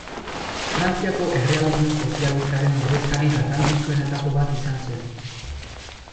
Frantziako errealismo sozialistaren ordezkari garrantzitsuenetako bat izan zen.